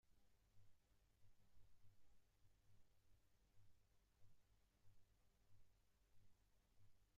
El rapero norteamericano Eminem hace mención a Lewinsky en el sencillo 'Rap God'.